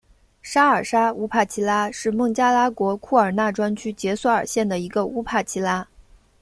沙尔沙乌帕齐拉是孟加拉国库尔纳专区杰索尔县的一个乌帕齐拉。